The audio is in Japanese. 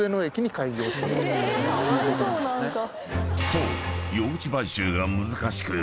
［そう］